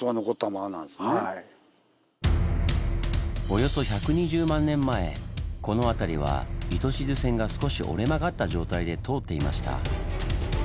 およそ１２０万年前この辺りは糸静線が少し折れ曲がった状態で通っていました。